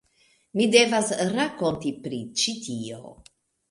Mi devas rakonti pri ĉi tio.